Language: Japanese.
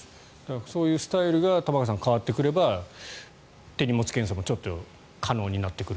そういうスタイルが玉川さん、変わってくれば手荷物検査もちょっと可能になってくる。